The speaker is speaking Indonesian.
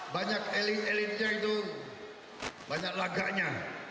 banyak elit elitnya itu banyak laganya